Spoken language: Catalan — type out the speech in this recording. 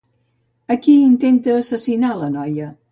A qui intenta assassinar la noia?